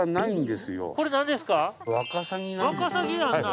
ワカサギやんな。